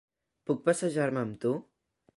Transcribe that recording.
Puc passejar-me amb tu?